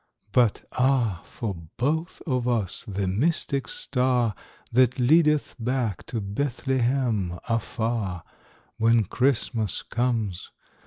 But ah, for both of us the mystic star That leadeth back to Bethlehem afar, When Christmas comes.